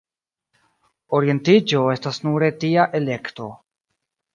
Orientiĝo estas nure tia elekto.